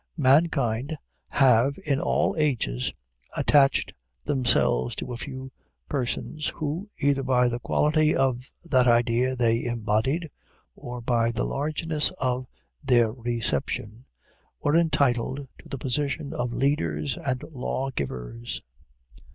Mankind have, in all ages, attached themselves to a few persons, who, either by the quality of that idea they embodied, or by the largeness of their reception, were entitled to the position of leaders and law givers.